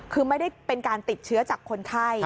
คือไม่ได้เป็นการติดเชื้อจากคนไข้